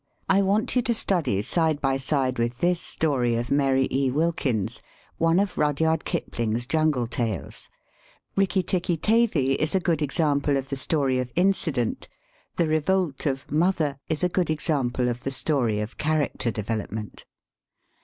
I want you to study side by side with this story of Mary E. Wilkins one of Rudyard Kipling's Jungle Tales. " Rikki Tikki Tavi " is a good example of the story of incident. The "Revolt of 'Mother'" is a good example of the story of '' character development